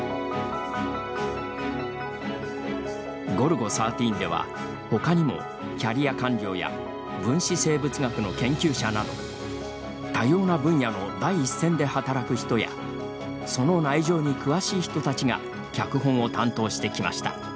「ゴルゴ１３」では、ほかにもキャリア官僚や分子生物学の研究者など多様な分野の第一線で働く人やその内情に詳しい人たちが脚本を担当してきました。